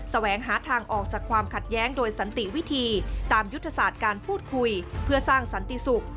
แสวงหาทางออกจากความขัดแย้งโดยสันติวิธีตามยุทธศาสตร์การพูดคุยเพื่อสร้างสันติสุข